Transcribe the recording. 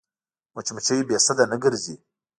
مچمچۍ بې سده نه ګرځي